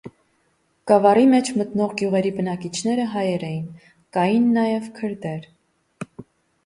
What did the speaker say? Գավառի մեջ մտնող գյուղերի բնակիչները հայեր էին, կաին նաև քրդեր։